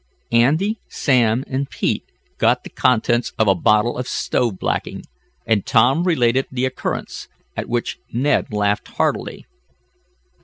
"Andy, Sam and Pete got the contents of a bottle of stove blacking," and Tom related the occurrence, at which Ned laughed heartily.